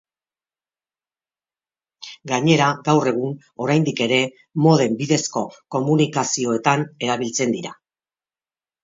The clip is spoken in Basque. Gainera, gaur egun, oraindik ere, modem bidezko komunikazioetan erabiltzen dira.